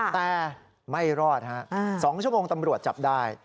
แต่ไม่รอดฮะ๒ชั่วโมงตำรวจจับได้